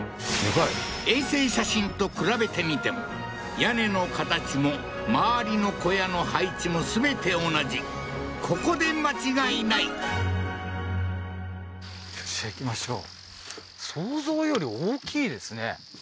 衛星写真と比べてみても屋根の形も周りの小屋の配置も全て同じここで間違いない本当ですね